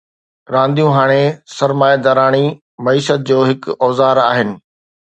رانديون هاڻي سرمائيداراڻي معيشت جو هڪ اوزار آهن.